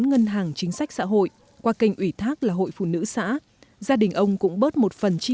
ngân hàng chính sách xã hội qua kênh ủy thác là hội phụ nữ xã gia đình ông cũng bớt một phần chi